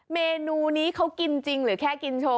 เมนูนี้เขากินจริงหรือแค่กินโชว